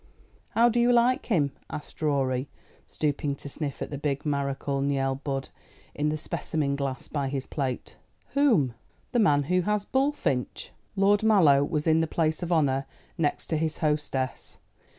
"How do you like him?" asked Rorie, stooping to sniff at the big Maréchal Niel bud, in the specimen glass by his plate. "Whom?" "The man who has Bullfinch." Lord Mallow was in the place of honour next his hostess.